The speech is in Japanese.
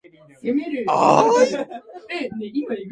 それとも、大事なものかな？